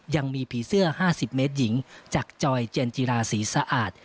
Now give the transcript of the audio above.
ยังมีผีเสื้อ๕๐เมตรหญิงจากจอยเจนจิราศรีสะอาด